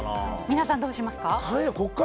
皆さん、どうしますか？